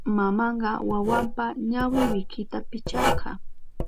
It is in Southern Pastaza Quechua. Mamanka wawanpa ñawi wikita picharka.